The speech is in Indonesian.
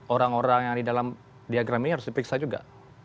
orang orang yang di dalam diagram ini harus dipiksa juga